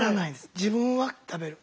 自分は食べる。